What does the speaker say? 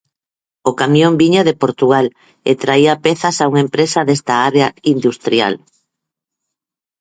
O camión viña de Portugal e traía pezas a unha empresa desta área industrial.